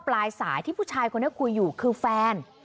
ปลายสายที่ผู้ชายคนนี้คุยอยู่คือแฟน